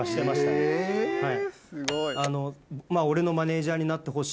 はい。